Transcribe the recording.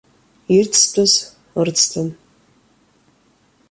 Ирӡтәыз ырӡтәын.